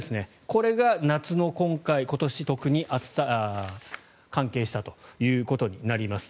これが夏の今回、今年特に暑さに関係したということになります。